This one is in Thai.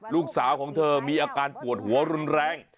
ลูกสาวของเธอมีอาการปวดหัวรุนแรง